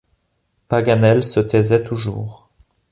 Paganel se taisait toujours.